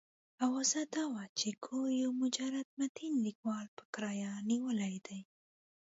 اوازه دا وه چې کور یو مجرد متین لیکوال په کرایه نیولی دی.